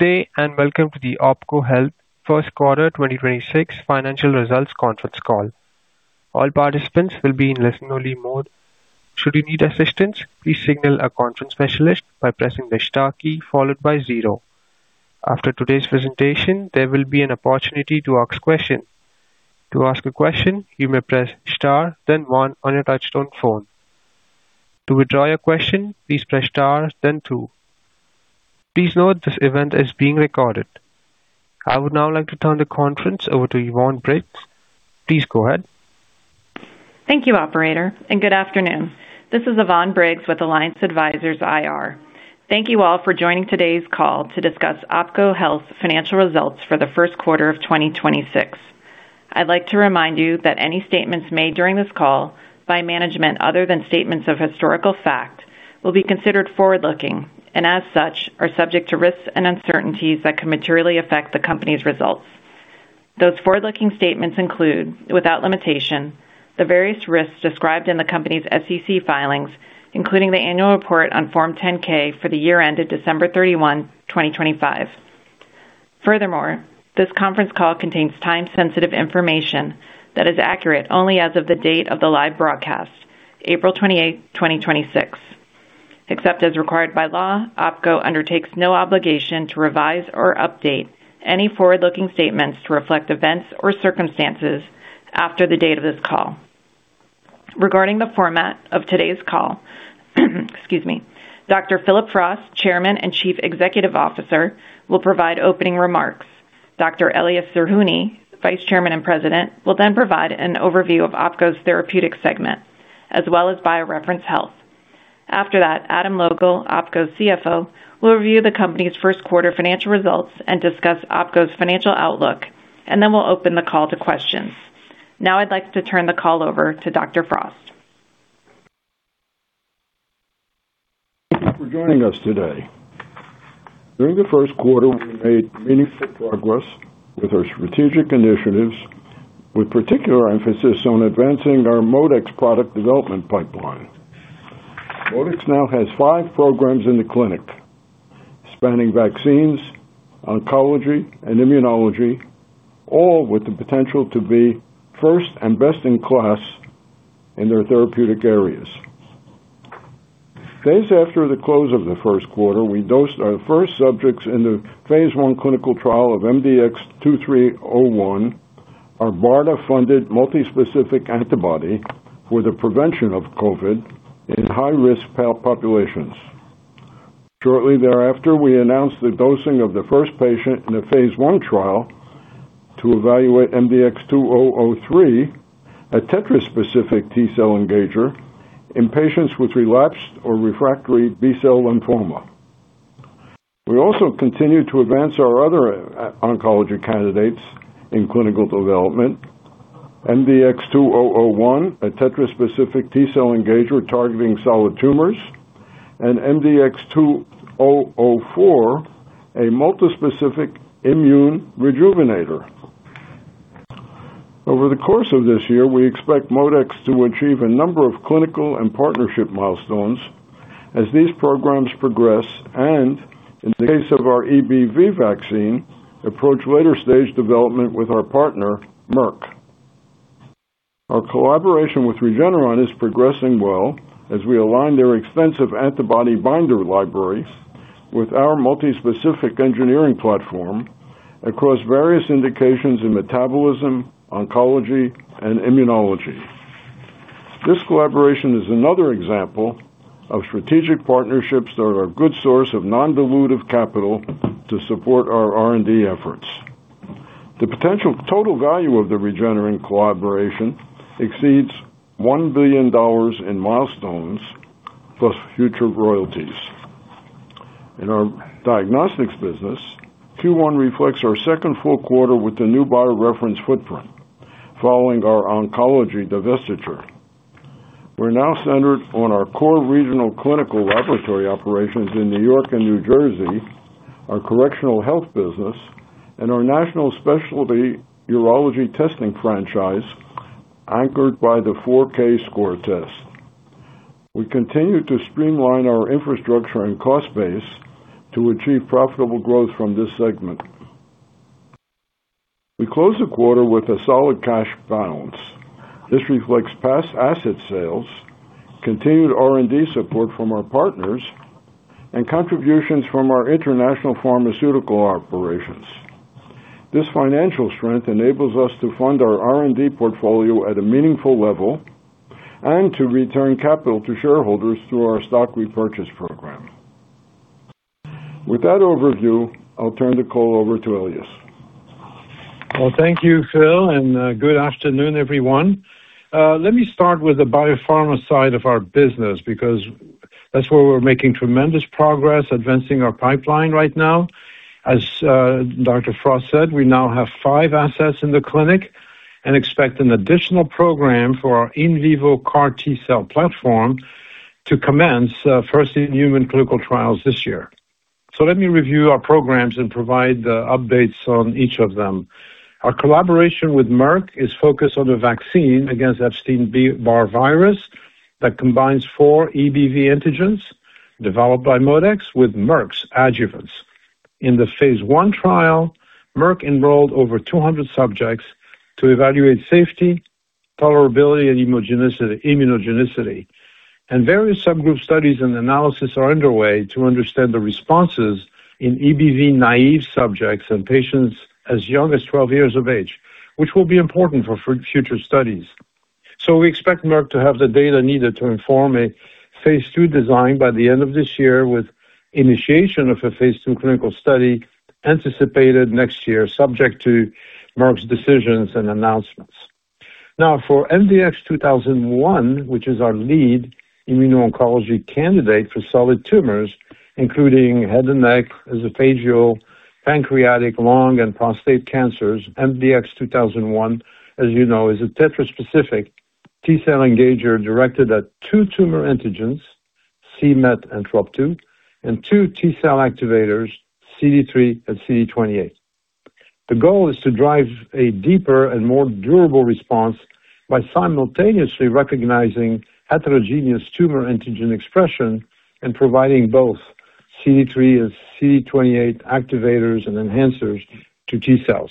Good day, and welcome to the OPKO Health first quarter 2026 financial results conference call. All participants will be in listen-only mode. Should you need assistance, please signal a conference specialist by pressing the star key followed by zero. After today's presentation, there will be an opportunity to ask questions. To ask a question, you may press star then one on your touchtone phone. To withdraw your question, please press star then two. Please note this event is being recorded. I would now like to turn the conference over to Yvonne Briggs. Please go ahead. Thank you, operator, and good afternoon. This is Yvonne Briggs with Alliance Advisors IR. Thank you all for joining today's call to discuss OPKO Health's financial results for the first quarter of 2026. I'd like to remind you that any statements made during this call by management other than statements of historical fact will be considered forward-looking and, as such, are subject to risks and uncertainties that could materially affect the company's results. Those forward-looking statements include, without limitation, the various risks described in the company's SEC filings, including the annual report on Form 10-K for the year ended December 31, 2025. Furthermore, this conference call contains time-sensitive information that is accurate only as of the date of the live broadcast, April 28, 2026. Except as required by law, OPKO undertakes no obligation to revise or update any forward-looking statements to reflect events or circumstances after the date of this call. Regarding the format of today's call, excuse me, Dr. Phillip Frost, Chairman and Chief Executive Officer, will provide opening remarks. Dr. Elias Zerhouni, Vice Chairman and President, will provide an overview of OPKO's therapeutic segment as well as BioReference Health. After that, Adam Logal, OPKO's CFO, will review the company's first quarter financial results and discuss OPKO's financial outlook. We'll open the call to questions. I'd like to turn the call over to Dr. Frost. Thank you for joining us today. During the first quarter, we made meaningful progress with our strategic initiatives, with particular emphasis on advancing our ModeX product development pipeline. ModeX now has five programs in the clinic spanning vaccines, oncology, and immunology, all with the potential to be first and best in class in their therapeutic areas. Days after the close of the first quarter, we dosed our first subjects in the phase I clinical trial of MDX2301, our BARDA-funded multispecific antibody for the prevention of COVID in high-risk populations. Shortly thereafter, we announced the dosing of the first patient in a phase I trial to evaluate MDX2003, a tetraspecific T-cell engager in patients with relapsed or refractory B-cell lymphoma. We also continue to advance our other oncology candidates in clinical development. MDX2001, a tetraspecific T-cell engager targeting solid tumors, and MDX2004, a multispecific immune rejuvenator. Over the course of this year, we expect ModeX to achieve a number of clinical and partnership milestones as these programs progress and, in the case of our EBV vaccine, approach later-stage development with our partner, Merck. Our collaboration with Regeneron is progressing well as we align their extensive antibody binder libraries with our multispecific engineering platform across various indications in metabolism, oncology, and immunology. This collaboration is another example of strategic partnerships that are a good source of non-dilutive capital to support our R&D efforts. The potential total value of the Regeneron collaboration exceeds $1 billion in milestones plus future royalties. In our diagnostics business, Q1 reflects our second full quarter with the new BioReference footprint following our oncology divestiture. We're now centered on our core regional clinical laboratory operations in New York and New Jersey, our correctional health business, and our national specialty urology testing franchise, anchored by the 4Kscore test. We continue to streamline our infrastructure and cost base to achieve profitable growth from this segment. We close the quarter with a solid cash balance. This reflects past asset sales, continued R&D support from our partners, and contributions from our international pharmaceutical operations. This financial strength enables us to fund our R&D portfolio at a meaningful level and to return capital to shareholders through our stock repurchase program. With that overview, I'll turn the call over to Elias. Well, thank you, Phil, and good afternoon, everyone. Let me start with the biopharma side of our business because that's where we're making tremendous progress advancing our pipeline right now. As Dr. Frost said, we now have five assets in the clinic and expect an additional program for our in vivo CAR T-cell platform to commence first-in-human clinical trials this year. Let me review our programs and provide the updates on each of them. Our collaboration with Merck is focused on the vaccine against Epstein-Barr virus. That combines four EBV antigens developed by ModeX with Merck's adjuvants. In the phase I trial, Merck enrolled over 200 subjects to evaluate safety, tolerability, and immunogenicity. Various subgroup studies and analysis are underway to understand the responses in EBV naive subjects and patients as young as 12 years of age, which will be important for future studies. We expect Merck to have the data needed to inform a phase II design by the end of this year, with initiation of a phase II clinical study anticipated next year, subject to Merck's decisions and announcements. Now for MDX2001, which is our lead immuno-oncology candidate for solid tumors, including head and neck, esophageal, pancreatic, lung and prostate cancers. MDX2001, as you know, is a tetraspecific T-cell engager directed at two tumor antigens, c-Met and Trop-2, and two T-cell activators, CD3 and CD28. The goal is to drive a deeper and more durable response by simultaneously recognizing heterogeneous tumor antigen expression and providing both CD3 and CD28 activators and enhancers to T-cells,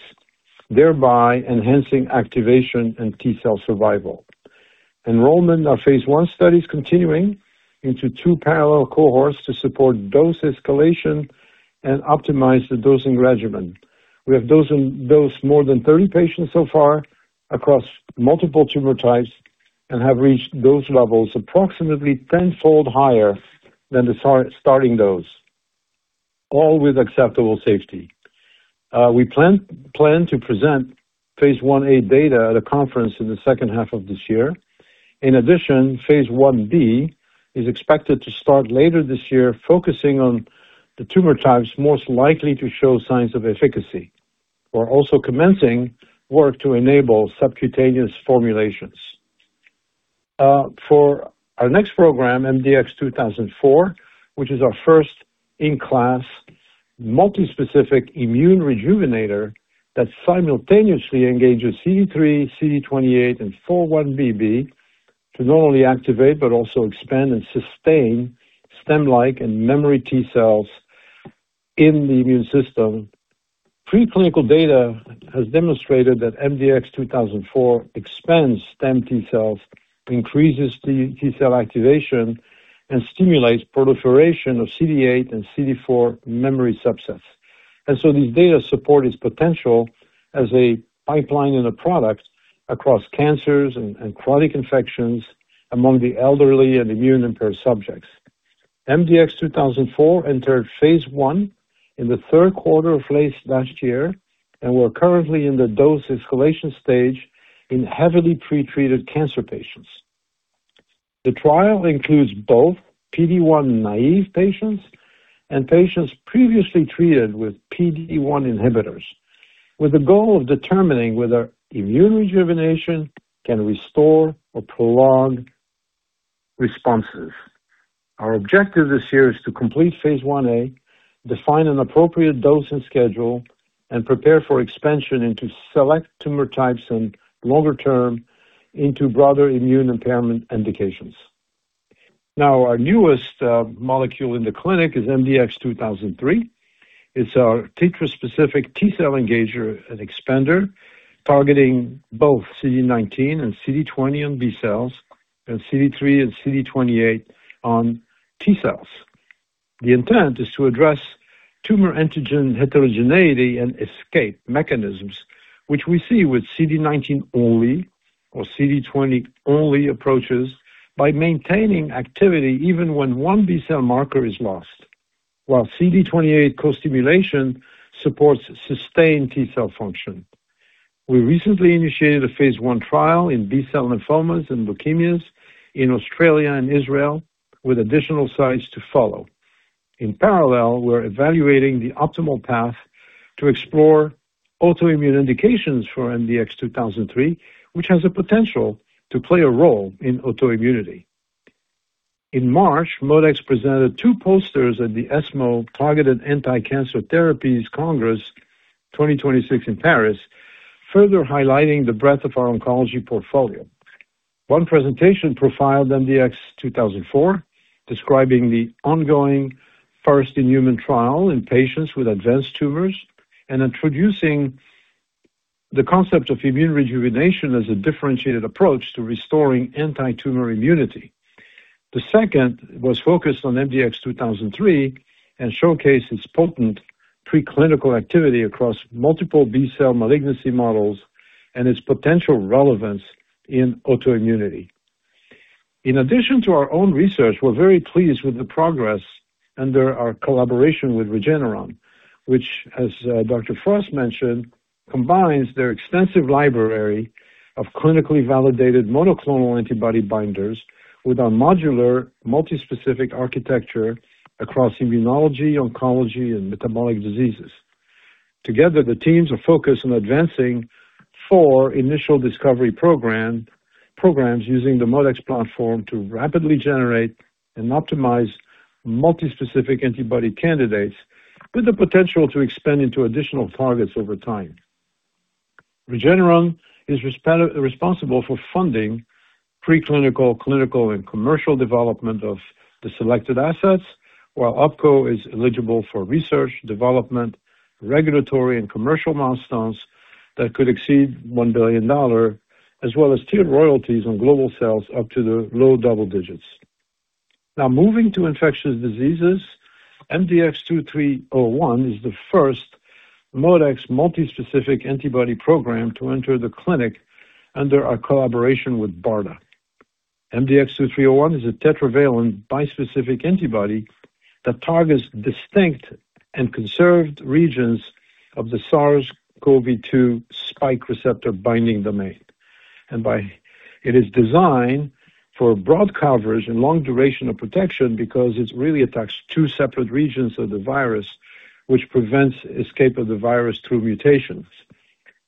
thereby enhancing activation and T-cell survival. Enrollment of phase I study is continuing into two parallel cohorts to support dose escalation and optimize the dosing regimen. We have dosed more than 30 patients so far across multiple tumor types and have reached dose levels approximately tenfold higher than the starting dose, all with acceptable safety. We plan to present phase I-A data at a conference in the second half of this year. In addition, phase I-B is expected to start later this year, focusing on the tumor types most likely to show signs of efficacy. We're also commencing work to enable subcutaneous formulations. For our next program, MDX2004, which is our first-in-class multispecific immune rejuvenator that simultaneously engages CD3, CD28, and 4-1BB to not only activate but also expand and sustain stem-like and memory T-cells in the immune system. Pre-clinical data has demonstrated that MDX2004 expands stem T-cells, increases T-cell activation, and stimulates proliferation of CD8 and CD4 memory subsets. These data support its potential as a pipeline and a product across cancers and chronic infections among the elderly and immune-impaired subjects. MDX2004 entered phase I in the third quarter of late last year. We're currently in the dose escalation stage in heavily pre-treated cancer patients. The trial includes both PD-1 naive patients and patients previously treated with PD-1 inhibitors, with the goal of determining whether immune rejuvenation can restore or prolong responses. Our objective this year is to complete phase I-A, define an appropriate dosing schedule, and prepare for expansion into select tumor types and longer-term into broader immune impairment indications. Our newest molecule in the clinic is MDX2003. It's our tetraspecific T-cell engager and expander targeting both CD19 and CD20 on B-cells and CD3 and CD28 on T-cells. The intent is to address tumor antigen heterogeneity and escape mechanisms, which we see with CD19 only or CD20 only approaches by maintaining activity even when one B-cell marker is lost, while CD28 co-stimulation supports sustained T-cell function. We recently initiated a phase I trial in B-cell lymphomas and leukemias in Australia and Israel with additional sites to follow. In parallel, we're evaluating the optimal path to explore autoimmune indications for MDX2003, which has a potential to play a role in autoimmunity. In March, ModeX presented two posters at the ESMO Targeted Anticancer Therapies Congress 2026 in Paris, further highlighting the breadth of our oncology portfolio. One presentation profiled MDX2004, describing the ongoing first in human trial in patients with advanced tumors and introducing the concept of immune rejuvenation as a differentiated approach to restoring anti-tumor immunity. The second was focused on MDX2003 and showcased its potent preclinical activity across multiple B-cell malignancy models and its potential relevance in autoimmunity. In addition to our own research, we're very pleased with the progress under our collaboration with Regeneron, which, as Dr. Frost mentioned, combines their extensive library of clinically validated multispecific antibody binders with our modular multispecific architecture across immunology, oncology, and metabolic diseases. Together, the teams are focused on advancing four initial discovery programs using the ModeX platform to rapidly generate and optimize multispecific antibody candidates with the potential to expand into additional targets over time. Regeneron is responsible for funding preclinical, clinical, and commercial development of the selected assets, while OPKO is eligible for research, development, regulatory, and commercial milestones that could exceed $1 billion, as well as tiered royalties on global sales up to the low double digits. Moving to infectious diseases, MDX2301 is the first ModeX multispecific antibody program to enter the clinic under our collaboration with BARDA. MDX2301 is a tetravalent bispecific antibody that targets distinct and conserved regions of the SARS-CoV-2 spike receptor binding domain. It is designed for broad coverage and long duration of protection because it really attacks two separate regions of the virus, which prevents escape of the virus through mutations.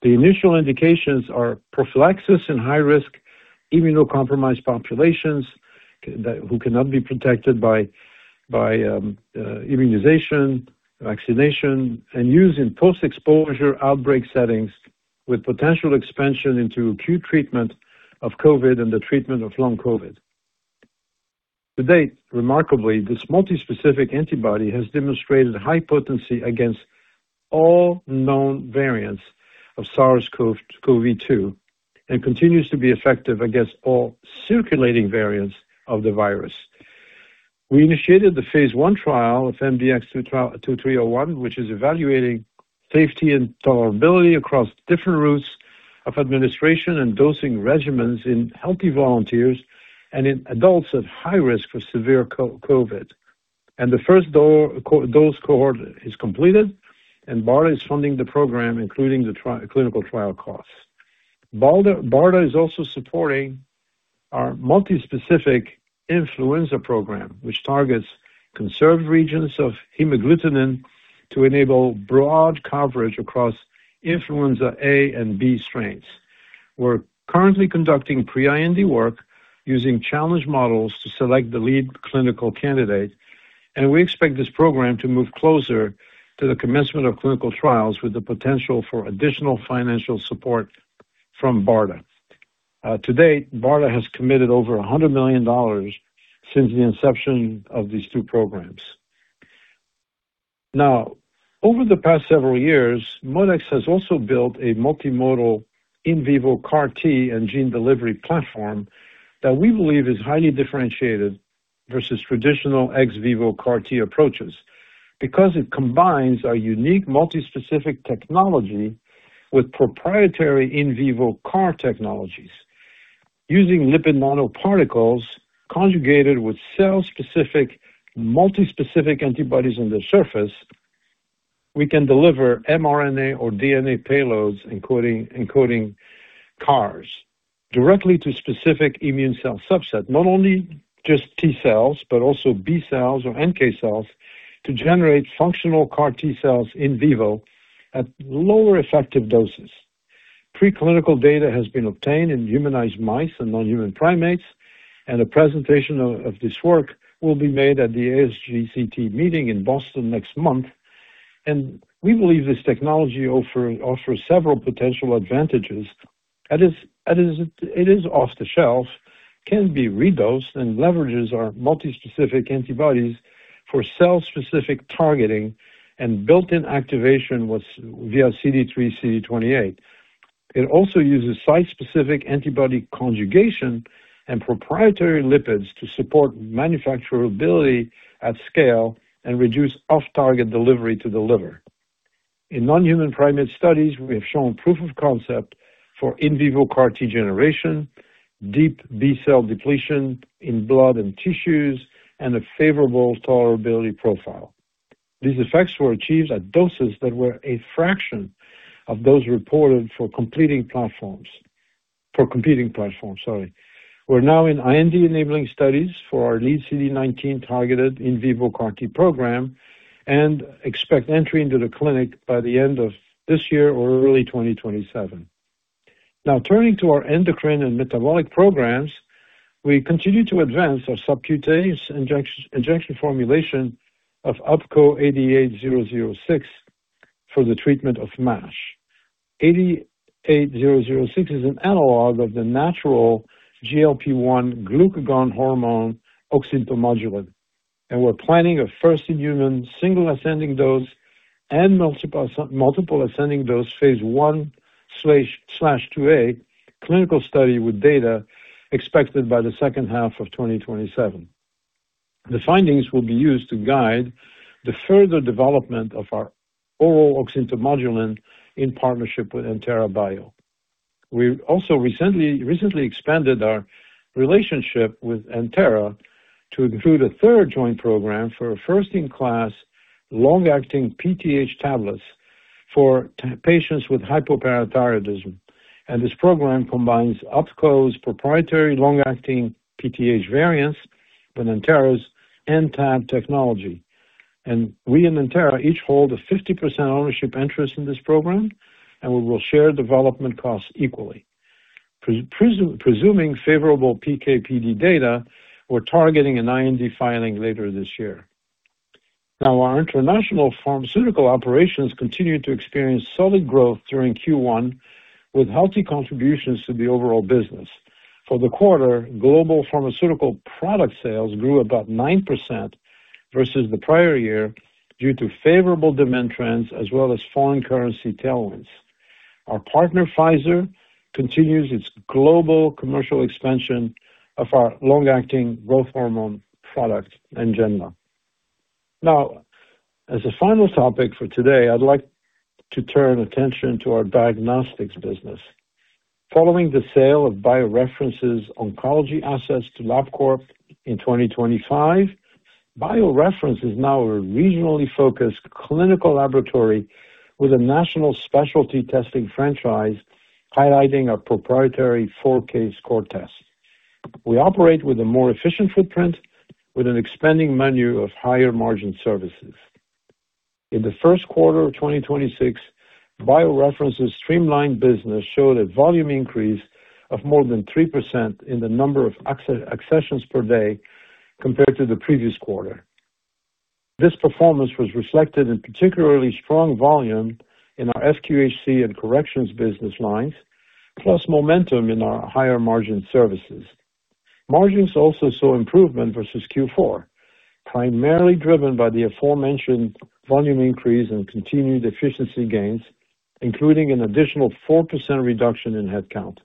The initial indications are prophylaxis in high-risk immunocompromised populations who cannot be protected by immunization, vaccination, and used in post-exposure outbreak settings with potential expansion into acute treatment of COVID and the treatment of long COVID. To date, remarkably, this multispecific antibody has demonstrated high potency against all known variants of SARS-CoV-2 and continues to be effective against all circulating variants of the virus. We initiated the phase I trial of MDX2301, which is evaluating safety and tolerability across different routes of administration and dosing regimens in healthy volunteers and in adults at high risk for severe COVID. The first dose cohort is completed, and BARDA is funding the program, including the clinical trial costs. BARDA is also supporting our multispecific influenza program, which targets conserved regions of hemagglutinin to enable broad coverage across influenza A and B strains. We're currently conducting pre-IND work using challenge models to select the lead clinical candidate, and we expect this program to move closer to the commencement of clinical trials with the potential for additional financial support from BARDA. To date, BARDA has committed over $100 million since the inception of these two programs. Over the past several years, ModeX has also built a multimodal in vivo CAR-T and gene delivery platform that we believe is highly differentiated versus traditional ex vivo CAR-T approaches because it combines our unique multi-specific technology with proprietary in vivo CAR technologies. Using lipid nanoparticles conjugated with cell-specific multi-specific antibodies on the surface, we can deliver mRNA or DNA payloads, encoding CARs directly to specific immune cell subset, not only just T cells, but also B cells or NK cells to generate functional CAR T cells in vivo at lower effective doses. Preclinical data has been obtained in humanized mice and non-human primates, a presentation of this work will be made at the ASGCT meeting in Boston next month. We believe this technology offers several potential advantages. That is it is off the shelf, can be redosed, and leverages our multi-specific antibodies for cell-specific targeting and built-in activation with via CD3, CD28. It also uses site-specific antibody conjugation and proprietary lipids to support manufacturability at scale and reduce off-target delivery to the liver. In non-human primate studies, we have shown proof of concept for in vivo CAR-T generation, deep B-cell depletion in blood and tissues, and a favorable tolerability profile. These effects were achieved at doses that were a fraction of those reported for competing platforms. Sorry. We're now in IND-enabling studies for our lead CD19 targeted in vivo CAR-T program and expect entry into the clinic by the end of this year or early 2027. Now turning to our endocrine and metabolic programs, we continue to advance our subcutaneous injection formulation of OPK-88006 for the treatment of MASH. OPK-88006 is an analog of the natural GLP-1 glucagon hormone oxyntomodulin. We're planning a first-in-human, single ascending dose and multiple ascending dose phase I/IIA clinical study with data expected by the second half of 2027. The findings will be used to guide the further development of our oral oxyntomodulin in partnership with Entera Bio. We also recently expanded our relationship with Entera to include a third joint program for a first-in-class long-acting PTH tablets for patients with hypoparathyroidism. This program combines OPKO's proprietary long-acting PTH variants with Entera's N-Tab technology. We and Entera each hold a 50% ownership interest in this program, and we will share development costs equally. Presuming favorable PK/PD data, we're targeting an IND filing later this year. Our international pharmaceutical operations continued to experience solid growth during Q1 with healthy contributions to the overall business. For the quarter, global pharmaceutical product sales grew about 9% versus the prior year due to favorable demand trends as well as foreign currency tailwinds. Our partner, Pfizer, continues its global commercial expansion of our long-acting growth hormone product, NGENLA. As a final topic for today, I'd like to turn attention to our diagnostics business. Following the sale of BioReference's oncology assets to Labcorp in 2025, BioReference is now a regionally focused clinical laboratory with a national specialty testing franchise highlighting our proprietary 4Kscore test. We operate with a more efficient footprint with an expanding menu of higher margin services. In the first quarter of 2026, BioReference's streamlined business showed a volume increase of more than 3% in the number of accessions per day compared to the previous quarter. This performance was reflected in particularly strong volume in our SQHC and corrections business lines, plus momentum in our higher margin services. Margins also saw improvement versus Q4, primarily driven by the aforementioned volume increase and continued efficiency gains, including an additional 4% reduction in headcount.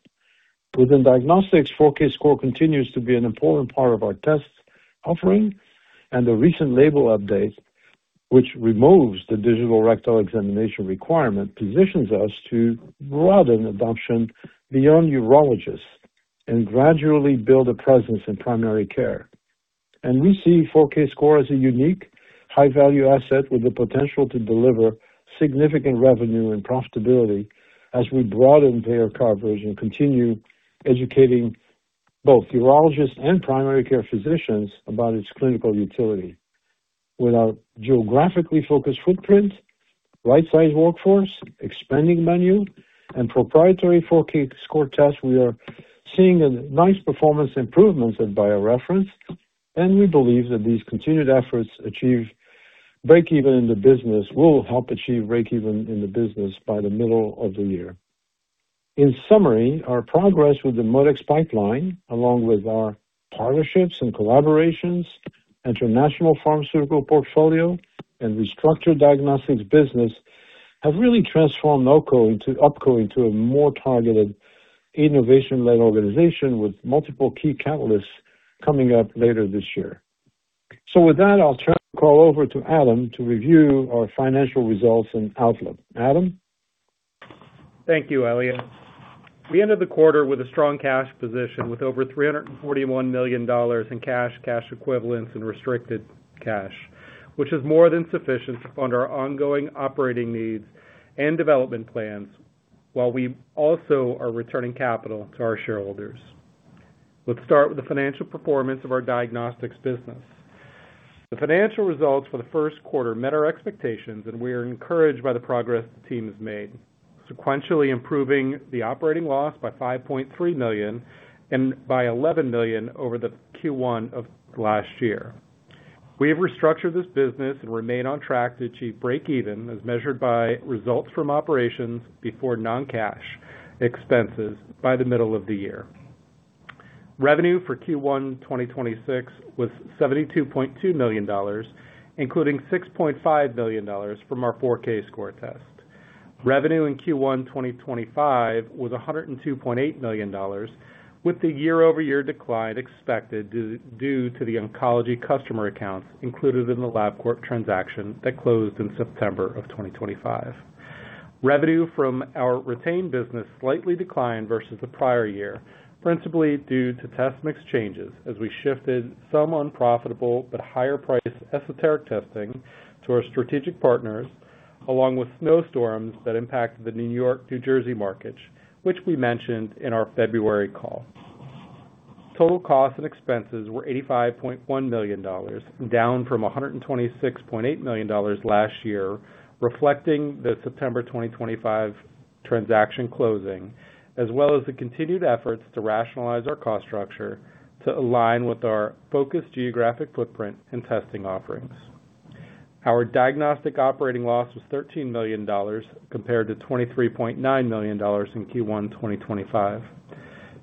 Within diagnostics, 4Kscore continues to be an important part of our test offering and the recent label update, which removes the digital rectal examination requirement, positions us to broaden adoption beyond urologists and gradually build a presence in primary care. We see 4Kscore as a unique, high-value asset with the potential to deliver significant revenue and profitability as we broaden payer coverage and continue educating both urologists and primary care physicians about its clinical utility. With our geographically focused footprint, right-sized workforce, expanding menu, and proprietary 4Kscore test, we are seeing nice performance improvements at BioReference, and we believe that these continued efforts will help achieve breakeven in the business by the middle of the year. In summary, our progress with the ModeX pipeline, along with our partnerships and collaborations, international pharmaceutical portfolio, and restructured diagnostics business, have really transformed OPKO into a more targeted innovation-led organization with multiple key catalysts coming up later this year. With that, I'll turn the call over to Adam to review our financial results and outlook. Adam? Thank you, Elias Zerhouni. We ended the quarter with a strong cash position with over $341 million in cash equivalents, and restricted cash, which is more than sufficient to fund our ongoing operating needs and development plans while we also are returning capital to our shareholders. Let's start with the financial performance of our diagnostics business. The financial results for the first quarter met our expectations, and we are encouraged by the progress the team has made, sequentially improving the operating loss by $5.3 million and by $11 million over the Q1 of last year. We have restructured this business and remain on track to achieve breakeven, as measured by results from operations before non-cash expenses, by the middle of the year. Revenue for Q1 2026 was $72.2 million, including $6.5 million from our 4Kscore test. Revenue in Q1 2025 was $102.8 million, with the year-over-year decline expected due to the oncology customer accounts included in the Labcorp transaction that closed in September 2025. Revenue from our retained business slightly declined versus the prior year, principally due to test mix changes as we shifted some unprofitable but higher-priced esoteric testing to our strategic partners, along with snow storms that impacted the New York-New Jersey markets, which we mentioned in our February call. Total costs and expenses were $85.1 million, down from $126.8 million last year, reflecting the September 2025 transaction closing, as well as the continued efforts to rationalize our cost structure to align with our focused geographic footprint and testing offerings. Our diagnostic operating loss was $13 million compared to $23.9 million in Q1 2025.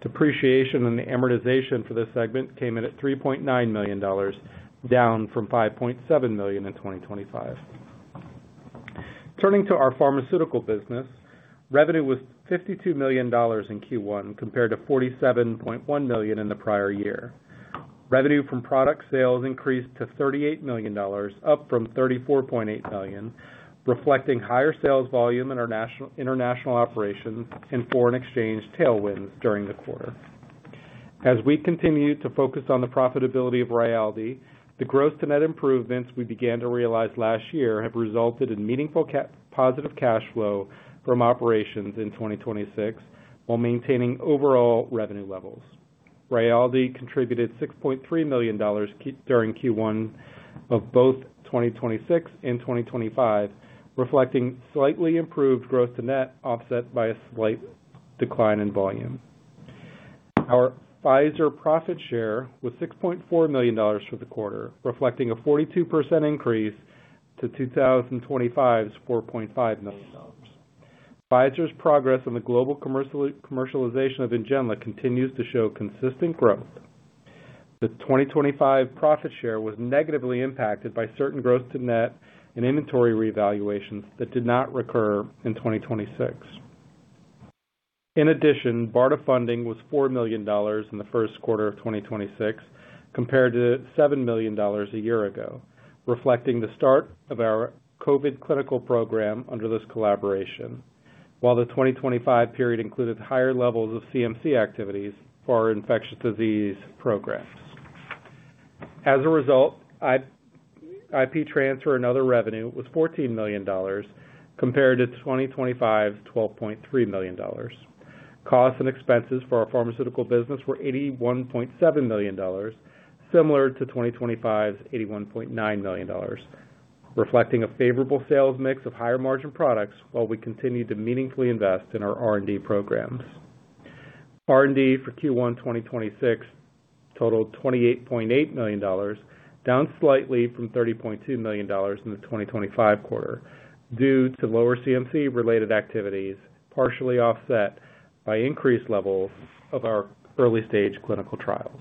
Depreciation and amortization for this segment came in at $3.9 million, down from $5.7 million in 2025. Turning to our pharmaceutical business, revenue was $52 million in Q1 compared to $47.1 million in the prior year. Revenue from product sales increased to $38 million, up from $34.8 million, reflecting higher sales volume in our international operations and foreign exchange tailwinds during the quarter. As we continue to focus on the profitability of Rayaldee, the gross to net improvements we began to realize last year have resulted in meaningful positive cash flow from operations in 2026 while maintaining overall revenue levels. Rayaldee contributed $6.3 million during Q1 of both 2026 and 2025, reflecting slightly improved growth to net, offset by a slight decline in volume. Our Pfizer profit share was $6.4 million for the quarter, reflecting a 42% increase to 2025's $4.5 million. Pfizer's progress in the global commercialization of NGENLA continues to show consistent growth. The 2025 profit share was negatively impacted by certain growth to net and inventory reevaluations that did not recur in 2026. In addition, BARDA funding was $4 million in the first quarter of 2026 compared to $7 million a year ago, reflecting the start of our COVID clinical program under this collaboration. While the 2025 period included higher levels of CMC activities for our infectious disease programs. As a result, IP transfer and other revenue was $14 million compared to 2025's $12.3 million. Costs and expenses for our pharmaceutical business were $81.7 million, similar to 2025's $81.9 million, reflecting a favorable sales mix of higher margin products while we continued to meaningfully invest in our R&D programs. R&D for Q1 2026 totaled $28.8 million, down slightly from $30.2 million in the 2025 quarter due to lower CMC related activities, partially offset by increased levels of our early stage clinical trials.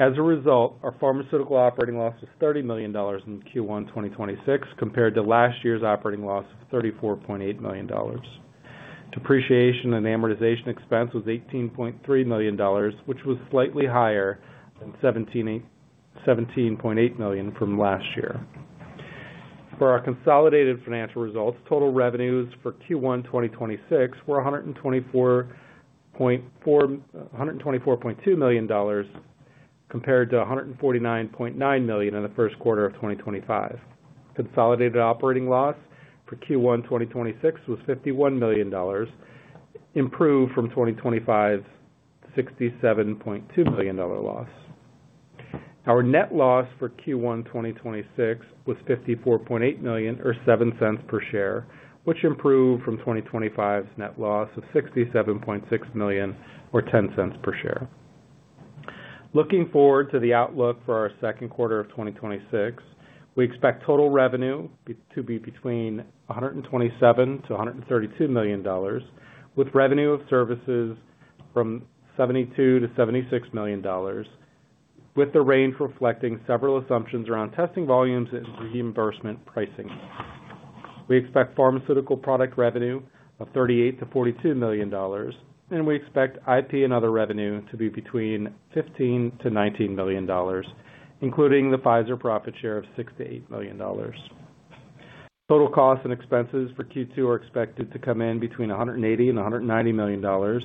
As a result, our pharmaceutical operating loss was $30 million in Q1 2026 compared to last year's operating loss of $34.8 million. Depreciation and amortization expense was $18.3 million, which was slightly higher than $17.8 million from last year. For our consolidated financial results, total revenues for Q1 2026 were $124.2 million compared to $149.9 million in the first quarter of 2025. Consolidated operating loss for Q1 2026 was $51 million, improved from 2025's $67.2 million loss. Our net loss for Q1 2026 was $54.8 million or $0.07 per share, which improved from 2025's net loss of $67.6 million or $0.10 per share. Looking forward to the outlook for our second quarter of 2026, we expect total revenue to be between $127 million-$132 million, with revenue of services from $72 million-$76 million, with the range reflecting several assumptions around testing volumes and reimbursement pricing. We expect pharmaceutical product revenue of $38 million-$42 million. We expect IP and other revenue to be between $15 million-$19 million, including the Pfizer profit share of $6 million-$8 million. Total costs and expenses for Q2 are expected to come in between $180 million and $190 million,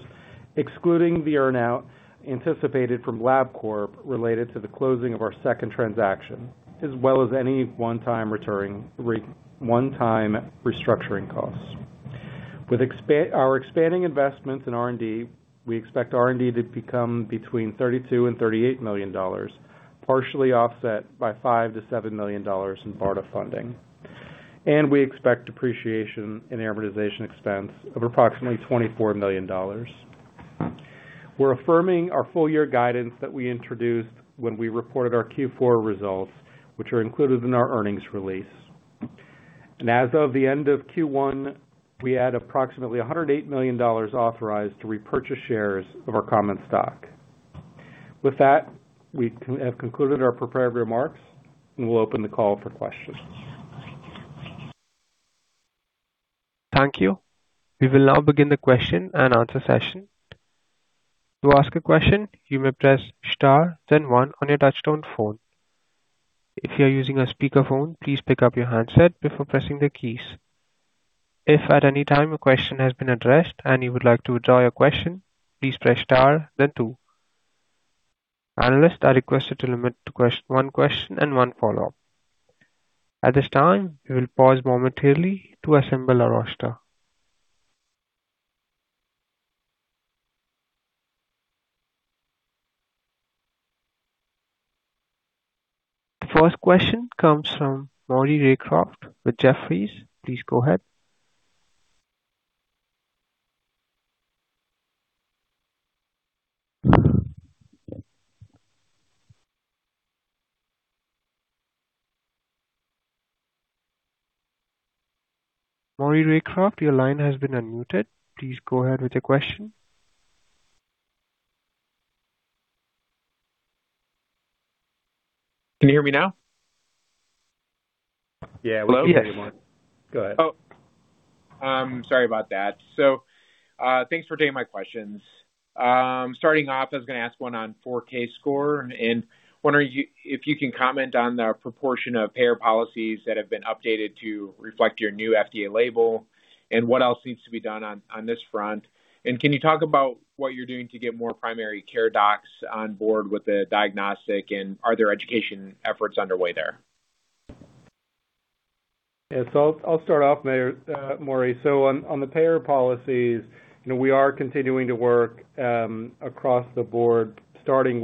excluding the earn-out anticipated from Labcorp related to the closing of our second transaction, as well as any one-time restructuring costs. With our expanding investments in R&D, we expect R&D to become between $32 million and $38 million, partially offset by $5 million-$7 million in BARDA funding. We expect depreciation in amortization expense of approximately $24 million. We're affirming our full year guidance that we introduced when we reported our Q4 results, which are included in our earnings release. As of the end of Q1, we had approximately $108 million authorized to repurchase shares of our common stock. With that, we have concluded our prepared remarks, and we'll open the call for questions. Thank you. We will now begin the question and answer session. To ask a question, you may press star then one on your touchtone phone. If you're using a speakerphone, please pick up your handset before pressing the keys. If at any time your question has been addressed and you would like to withdraw your question, please press star then two. Analysts are requested to limit to one question and one follow-up. At this time, we will pause momentarily to assemble our roster. The first question comes from Maury Raycroft with Jefferies. Please go ahead. Maury Raycroft, your line has been unmuted. Please go ahead with your question. Can you hear me now? Yeah. Welcome everyone. Go ahead. Sorry about that. Thanks for taking my questions. Starting off, I was gonna ask one on 4Kscore and wonder if you can comment on the proportion of payer policies that have been updated to reflect your new FDA label and what else needs to be done on this front. Can you talk about what you're doing to get more primary care docs on board with the diagnostic and are there education efforts underway there? Yeah. I'll start off Maury. On the payer policies, you know, we are continuing to work across the board, starting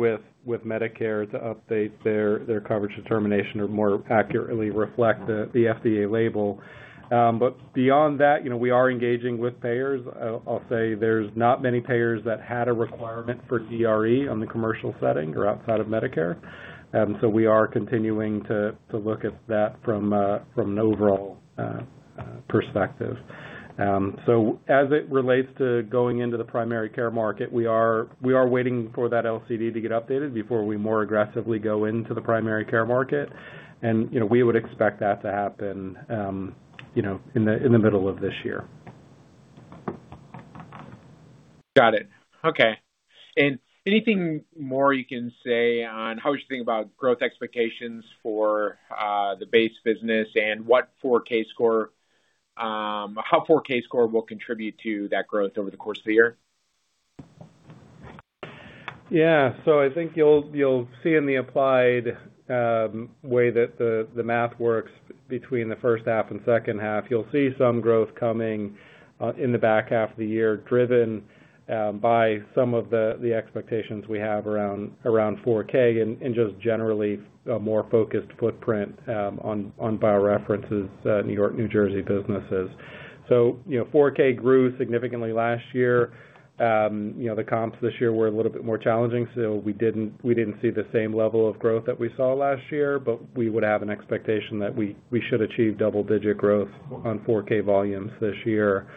with Medicare to update their coverage determination or more accurately reflect the FDA label. Beyond that, you know, we are engaging with payers. I'll say there's not many payers that had a requirement for DRE on the commercial setting or outside of Medicare. We are continuing to look at that from an overall perspective. As it relates to going into the primary care market, we are waiting for that LCD to get updated before we more aggressively go into the primary care market. You know, we would expect that to happen, you know, in the middle of this year. Got it. Okay. Anything more you can say on how we should think about growth expectations for the base business and what 4Kscore, how 4Kscore will contribute to that growth over the course of the year? I think you'll see in the applied way that the math works between the first half and second half. You'll see some growth coming in the back half of the year, driven by some of the expectations we have around 4Kscore and just generally a more focused footprint on BioReference New York, New Jersey businesses. You know, 4Kscore grew significantly last year. You know, the comps this year were a little bit more challenging, so we didn't see the same level of growth that we saw last year. We would have an expectation that we should achieve double-digit growth on 4Kscore volumes this year,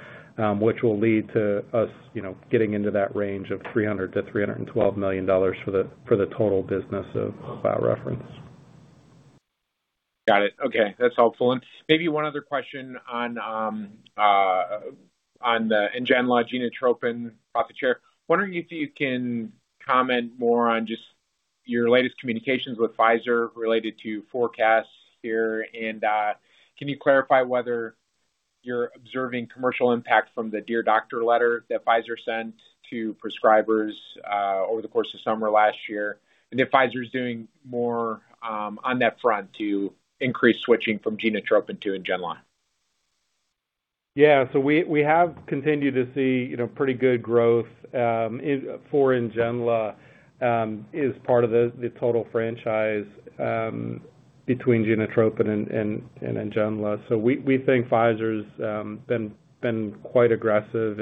which will lead to us, you know, getting into that range of $300 million-$312 million for the total business of BioReference. Got it. Okay. That's helpful. Maybe one other question on the NGENLA Genotropin profit share. Wondering if you can comment more on just your latest communications with Pfizer related to forecasts here. Can you clarify whether you're observing commercial impact from the Dear Doctor letter that Pfizer sent to prescribers over the course of summer last year? If Pfizer is doing more on that front to increase switching from Genotropin to NGENLA. Yeah. We have continued to see, you know, pretty good growth for NGENLA as part of the total franchise between Genotropin and NGENLA. We think Pfizer's been quite aggressive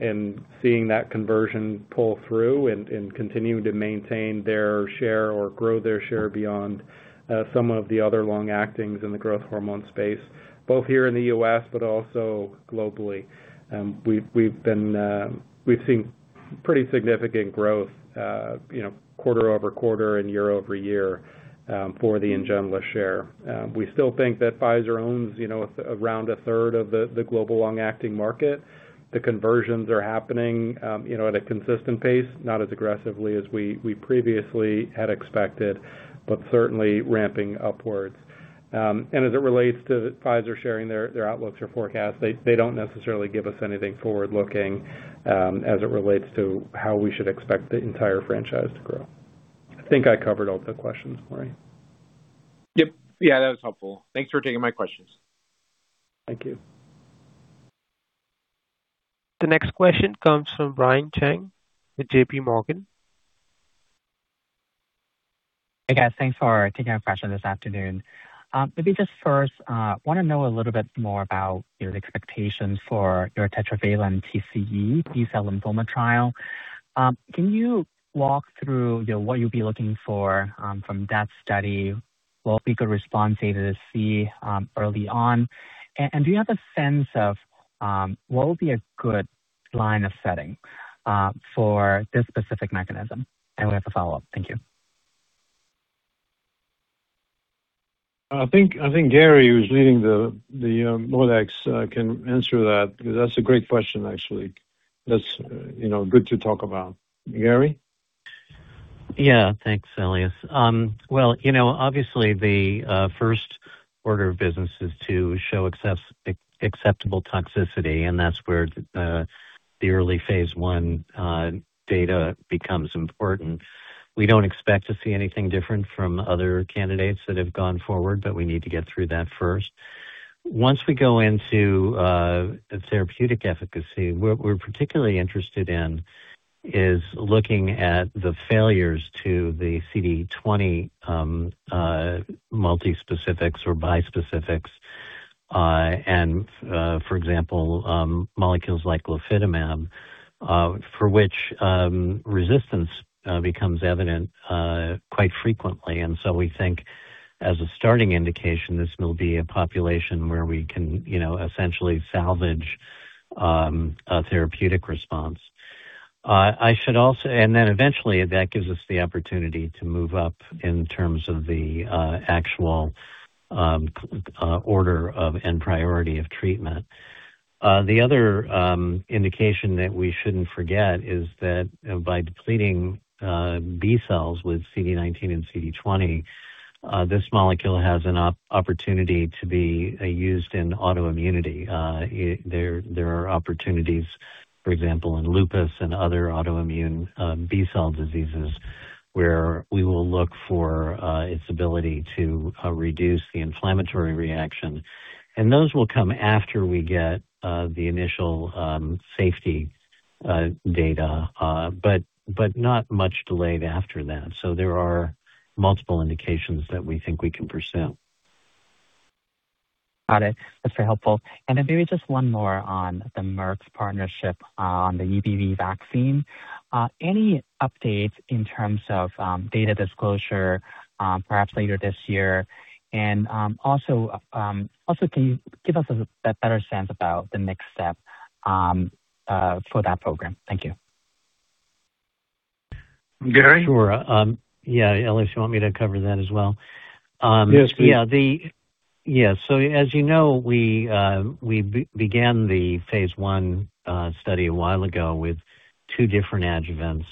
in seeing that conversion pull through and continuing to maintain their share or grow their share beyond some of the other long actings in the growth hormone space, both here in the U.S., but also globally. We've seen pretty significant growth, you know, quarter-over-quarter and year-over-year for the NGENLA share. We still think that Pfizer owns, you know, around 1/3 of the global long-acting market. The conversions are happening, you know, at a consistent pace, not as aggressively as we previously had expected, but certainly ramping upwards. As it relates to Pfizer sharing their outlooks or forecasts, they don't necessarily give us anything forward-looking as it relates to how we should expect the entire franchise to grow. I think I covered all the questions, Maury. Yep. Yeah, that was helpful. Thanks for taking my questions. Thank you. The next question comes from Brian Cheng with JPMorgan. Hey, guys. Thanks for taking our question this afternoon. Maybe just first, wanna know a little bit more about your expectations for your tetravalent TCE B-cell lymphoma trial. Can you walk through, you know, what you'll be looking for from that study? What will be good response data to see early on? Do you have a sense of what would be a good line of setting for this specific mechanism? We have a follow-up. Thank you. I think Gary, who's leading the ModeX, can answer that because that's a great question, actually. That's, you know, good to talk about. Gary? Thanks, Elias. Well, you know, obviously the first order of business is to show acceptable toxicity, and that's where the early phase I data becomes important. We don't expect to see anything different from other candidates that have gone forward, but we need to get through that first. Once we go into therapeutic efficacy, what we're particularly interested in is looking at the failures to the CD20 multi-specifics or bispecifics, and for example, molecules like glofitamab, for which resistance becomes evident quite frequently. We think as a starting indication, this will be a population where we can, you know, essentially salvage a therapeutic response. Eventually, that gives us the opportunity to move up in terms of the actual order of and priority of treatment. The other indication that we shouldn't forget is that, you know, by depleting B-cells with CD19 and CD20, this molecule has an opportunity to be used in autoimmunity. There are opportunities. For example, in lupus and other autoimmune B-cell diseases where we will look for its ability to reduce the inflammatory reaction. Those will come after we get the initial safety data. Not much delayed after that. There are multiple indications that we think we can pursue. Got it. That's very helpful. Then maybe just one more on the Merck's partnership on the EBV vaccine. Any updates in terms of data disclosure, perhaps later this year? Also, can you give us a better sense about the next step for that program? Thank you. Gary? Sure. Yeah, Elias, you want me to cover that as well? Yes, please. Yeah. The. Yeah. As you know, we began the phase I study a while ago with two different adjuvants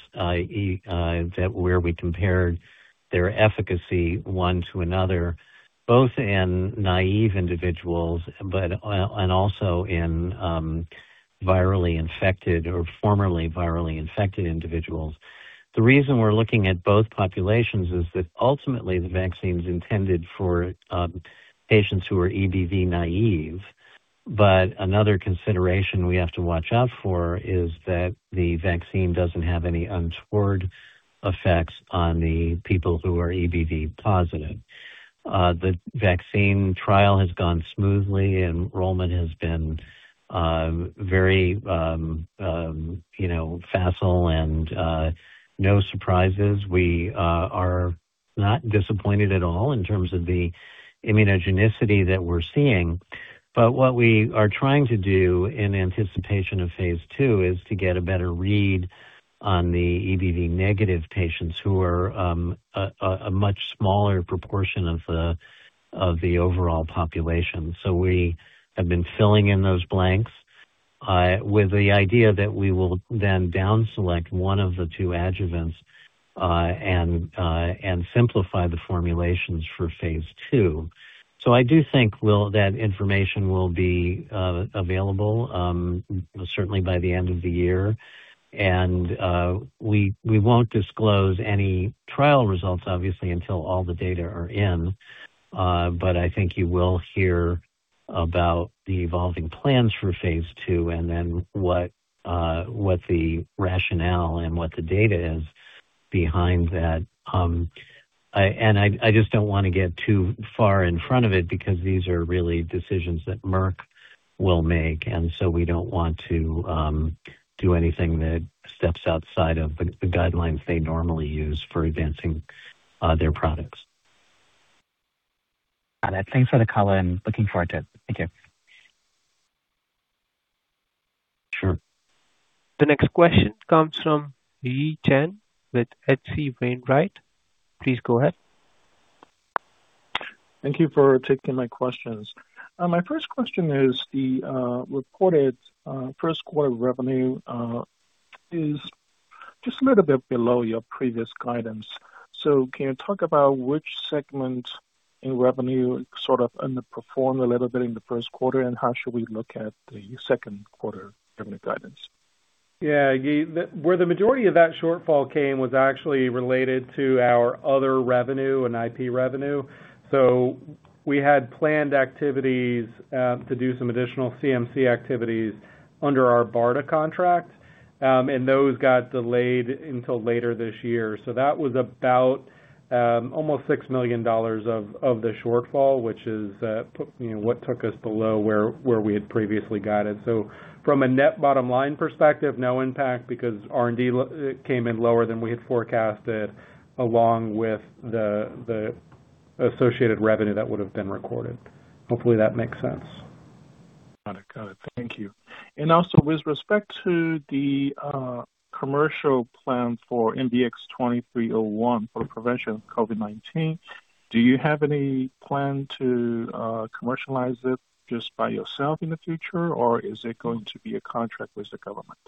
that where we compared their efficacy one to another, both in naive individuals, and also in virally infected or formerly virally infected individuals. The reason we're looking at both populations is that ultimately the vaccine's intended for patients who are EBV naive. Another consideration we have to watch out for is that the vaccine doesn't have any untoward effects on the people who are EBV positive. The vaccine trial has gone smoothly. Enrollment has been very, you know, facile and no surprises. We are not disappointed at all in terms of the immunogenicity that we're seeing. What we are trying to do in anticipation of phase II is to get a better read on the EBV negative patients who are a much smaller proportion of the overall population. We have been filling in those blanks with the idea that we will then down select one of the two adjuvants and simplify the formulations for phase II. I do think that information will be available certainly by the end of the year. We, we won't disclose any trial results, obviously, until all the data are in. I think you will hear about the evolving plans for phase II and then what the rationale and what the data is behind that. I just don't wanna get too far in front of it because these are really decisions that Merck will make. We don't want to do anything that steps outside of the guidelines they normally use for advancing their products. Got it. Thanks for the color, and looking forward to it. Thank you. Sure. The next question comes from Yi Chen with H.C. Wainwright. Please go ahead. Thank you for taking my questions. My first question is the reported first quarter revenue is just a little bit below your previous guidance. Can you talk about which segment in revenue sort of underperformed a little bit in the first quarter, and how should we look at the second quarter revenue guidance? Yi, where the majority of that shortfall came was actually related to our other revenue and IP revenue. We had planned activities to do some additional CMC activities under our BARDA contract, and those got delayed until later this year. That was about almost $6 million of the shortfall, which is, you know, what took us below where we had previously guided. From a net bottom line perspective, no impact because R&D came in lower than we had forecasted, along with the associated revenue that would have been recorded. Hopefully, that makes sense. Got it. Got it. Thank you. Also, with respect to the commercial plan for MDX2301 for prevention of COVID-19, do you have any plan to commercialize it just by yourself in the future, or is it going to be a contract with the government?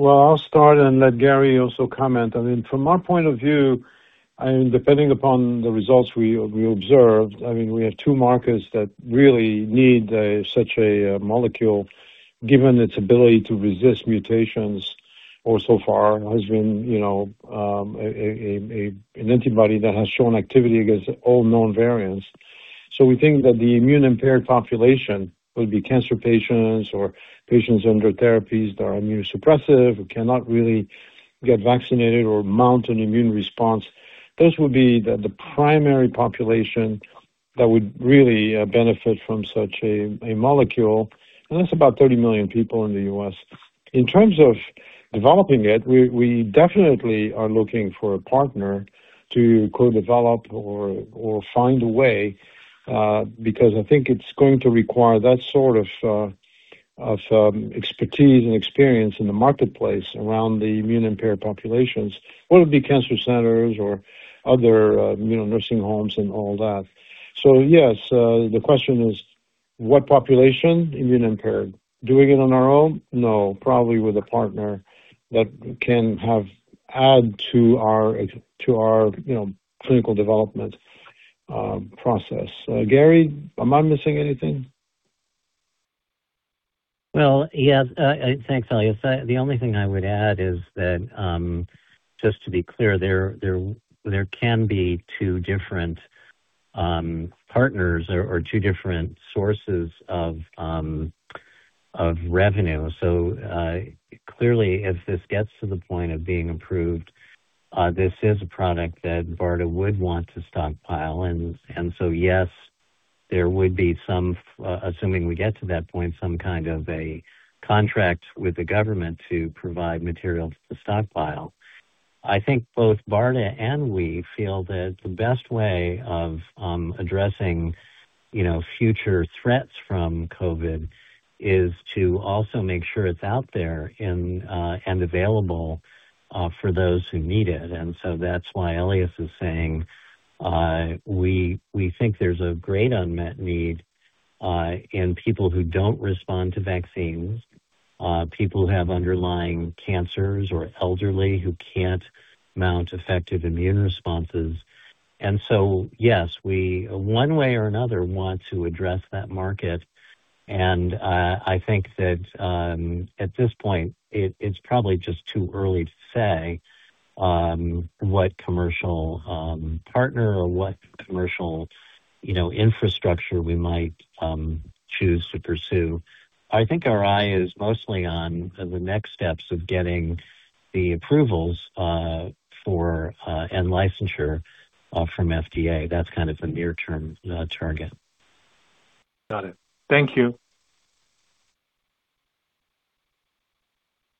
I'll start and let Gary also comment. I mean, from our point of view and depending upon the results we observed, I mean, we have two markets that really need such a molecule, given its ability to resist mutations or so far has been, you know, an antibody that has shown activity against all known variants. We think that the immune-impaired population, whether it be cancer patients or patients under therapies that are immunosuppressive who cannot really get vaccinated or mount an immune response, those would be the primary population that would really benefit from such a molecule, and that's about 30 million people in the U.S. In terms of developing it, we definitely are looking for a partner to co-develop or find a way, because I think it's going to require that sort of expertise and experience in the marketplace around the immune-impaired populations, whether it be cancer centers or other, you know, nursing homes and all that. Yes, the question is what population? Immune-impaired. Doing it on our own? No, probably with a partner that can add to our, you know, clinical development process. Gary, am I missing anything? Well, yes. Thanks, Elias. The only thing I would add is that, just to be clear, there can be two different partners or two different sources of revenue. Clearly, if this gets to the point of being approved, this is a product that BARDA would want to stockpile and so yes, there would be some, assuming we get to that point, some kind of a contract with the government to provide material to the stockpile. I think both BARDA and we feel that the best way of addressing, you know, future threats from COVID is to also make sure it's out there and available for those who need it. That's why Elias is saying, we think there's a great unmet need in people who don't respond to vaccines, people who have underlying cancers or elderly who can't mount effective immune responses. Yes, we one way or another, want to address that market. I think that, at this point it's probably just too early to say, what commercial, partner or what commercial, you know, infrastructure we might choose to pursue. I think our eye is mostly on the next steps of getting the approvals, for, and licensure, from FDA. That's kind of the near term, target. Got it. Thank you.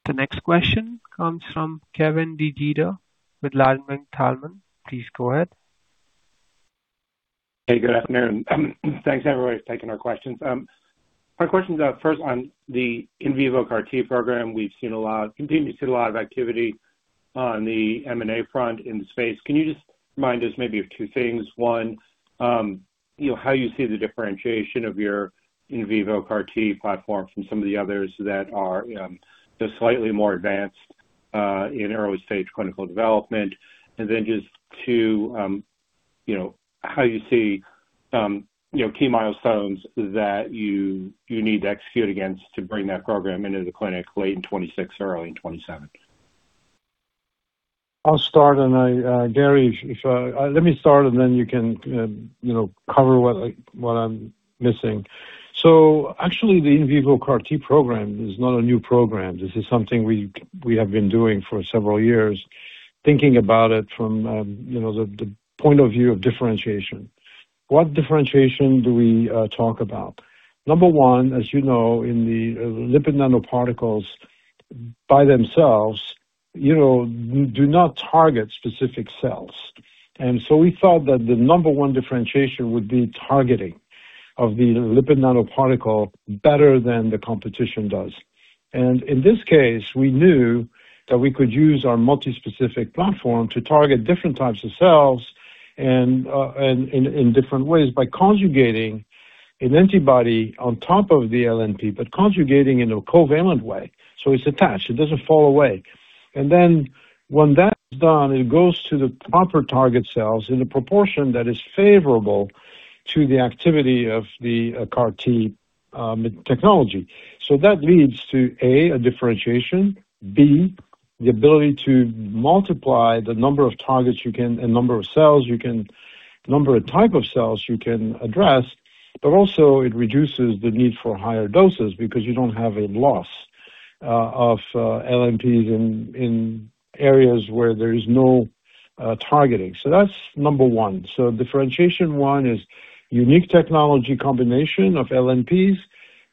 The next question comes from Kevin DeGeeter with Ladenburg Thalmann. Please go ahead. Hey, good afternoon. Thanks, everybody, for taking our questions. My question's first on the in vivo CAR-T program. We've seen a lot, continue to see a lot of activity on the M&A front in the space. Can you just remind us maybe of two things? One, you know, how you see the differentiation of your in vivo CAR-T platform from some of the others that are just slightly more advanced in early stage clinical development? Just two, you know, how you see, you know, key milestones that you need to execute against to bring that program into the clinic late in 2026, early in 2027. I'll start and I, Gary, if, let me start, and then you can, you know, cover what, like, what I'm missing. Actually, the in vivo CAR-T program is not a new program. This is something we have been doing for several years, thinking about it from, you know, the point of view of differentiation. What differentiation do we talk about? Number one, as you know, in the lipid nanoparticles by themselves, you know, do not target specific cells. We thought that the number one differentiation would be targeting of the lipid nanoparticle better than the competition does. In this case, we knew that we could use our multispecific platform to target different types of cells and in different ways by conjugating an antibody on top of the LNP, but conjugating in a covalent way. It's attached, it doesn't fall away. When that's done, it goes to the proper target cells in a proportion that is favorable to the activity of the CAR-T technology. That leads to, A, a differentiation, B, the ability to multiply the number of targets you can, and number of cells you can, number of type of cells you can address, but also it reduces the need for higher doses because you don't have a loss of LNPs in areas where there is no targeting. That's number 1. Differentiation 1 is unique technology combination of LNPs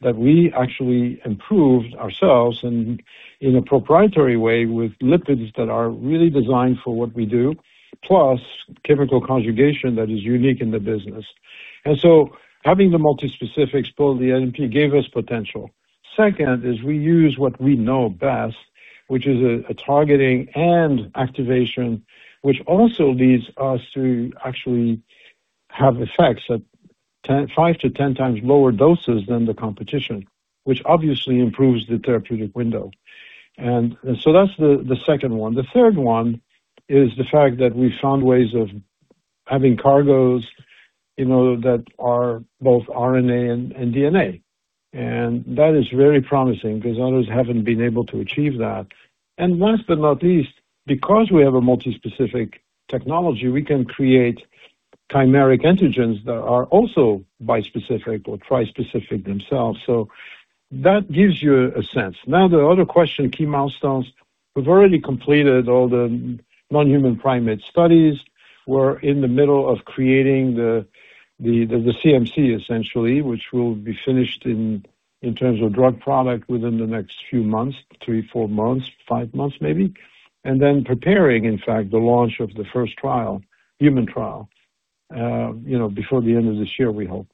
that we actually improved ourselves in a proprietary way with lipids that are really designed for what we do, plus chemical conjugation that is unique in the business. Having the multi-specifics pull the LNP gave us potential. Second is we use what we know best, which is a targeting and activation, which also leads us to actually have effects at five to 10 times lower doses than the competition, which obviously improves the therapeutic window. That's the second one. The third one is the fact that we found ways of having cargos, you know, that are both RNA and DNA. That is very promising because others haven't been able to achieve that. Last but not least, because we have a multi-specific technology, we can create chimeric antigens that are also bispecific or trispecific themselves. That gives you a sense. Now the other question, key milestones. We've already completed all the non-human primate studies. We're in the middle of creating the CMC essentially, which will be finished in terms of drug product within the next few months, three, four months, five months maybe. Preparing, in fact, the launch of the first trial, human trial, you know, before the end of this year, we hope.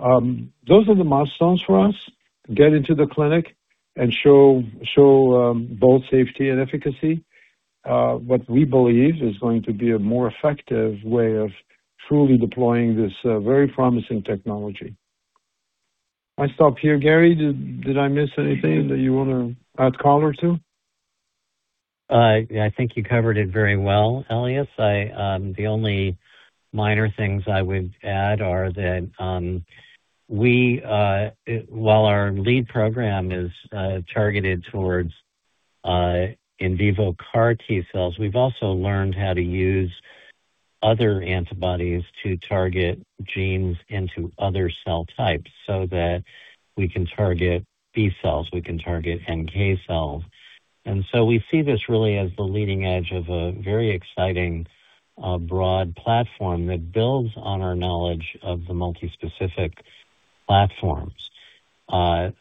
Those are the milestones for us. Get into the clinic and show both safety and efficacy. What we believe is going to be a more effective way of truly deploying this very promising technology. I stop here. Gary, did I miss anything that you wanna add color to? I think you covered it very well, Elias. I, the only minor things I would add are that we, while our lead program is targeted towards in vivo CAR-T cells, we've also learned how to use other antibodies to target genes into other cell types so that we can target B cells, we can target NK cells. We see this really as the leading edge of a very exciting, broad platform that builds on our knowledge of the multi-specific platforms. The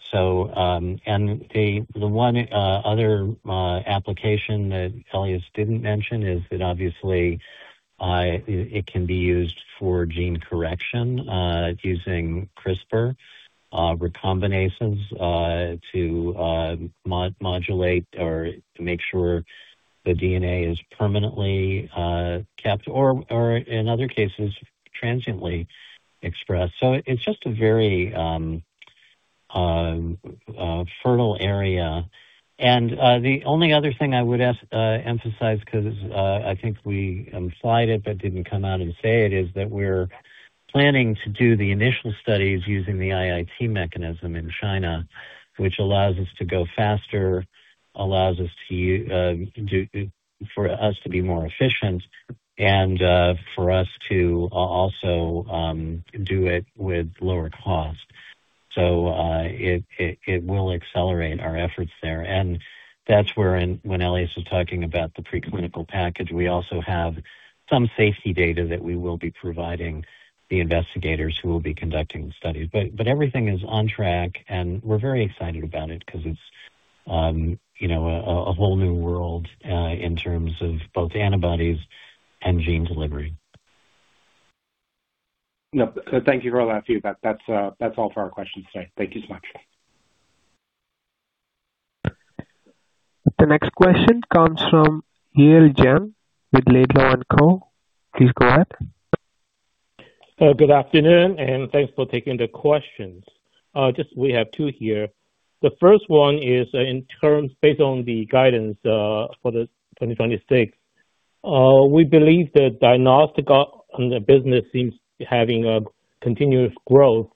one other application that Elias didn't mention is that obviously, it can be used for gene correction, using CRISPR recombinases to modulate or make sure the DNA is permanently kept or, in other cases, transiently expressed. It's just a very fertile area. The only other thing I would ask emphasize because I think we slide it but didn't come out and say it, is that we're planning to do the initial studies using the IIT mechanism in China, which allows us to go faster, allows us for us to be more efficient and for us to also do it with lower cost. It will accelerate our efforts there. That's where in, when Elias was talking about the preclinical package, we also have some safety data that we will be providing the investigators who will be conducting the studies. Everything is on track, and we're very excited about it because it's, you know, a whole new world in terms of both antibodies and gene delivery. No. Thank you for all that, Steve. That's all for our questions today. Thank you so much. The next question comes from Yale Jen, with Laidlaw & Co. Please go ahead. Good afternoon, thanks for taking the questions. Just we have two here. The first one is, in terms based on the guidance, for the 2026. We believe that diagnostics business seems to be having a continuous growth